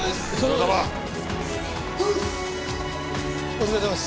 お疲れさまです。